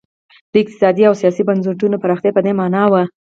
د اقتصادي او سیاسي بنسټونو پراختیا په دې معنا وه.